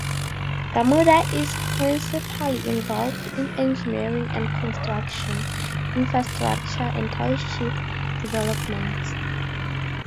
Gamuda is principally involved in engineering and construction, infrastructure and township developments.